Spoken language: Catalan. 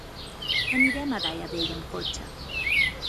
Anirem a Daia Vella amb cotxe.